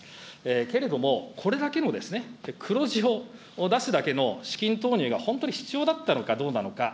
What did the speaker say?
けれども、これだけのですね、黒字を出すだけの資金投入が本当に必要だったのか、どうなのか。